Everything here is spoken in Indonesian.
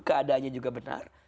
keadaannya juga benar